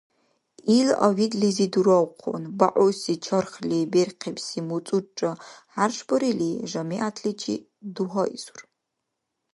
Ил авидлизи дуравхъун, бягӀуси, чурхли берхъибси муцӀурра хӀяршбарили, жамигӀятличи дугьаизур: